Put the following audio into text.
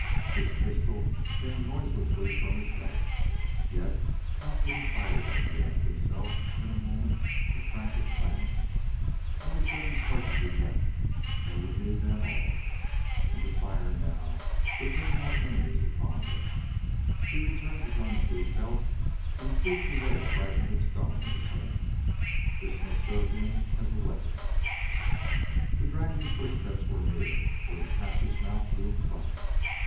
His pistol came noiselessly from his belt. Yet, how could he fire it? he asked himself in a moment of frantic planning. Only seven cartridges left! they would need them all; and to fire now would bring more enemies upon them. He returned the gun to his belt and stooped to weigh a fragment of stone in his hand: this must serve him as a weapon. The dragging footsteps were near, where the passage mouth loomed black.